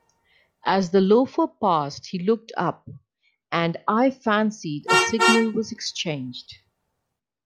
As the loafer passed he looked up, and I fancied a signal was exchanged.